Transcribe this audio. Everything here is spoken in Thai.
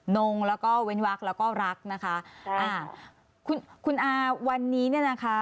งงแล้วก็เว้นวักแล้วก็รักนะคะอ่าคุณคุณอาวันนี้เนี่ยนะคะ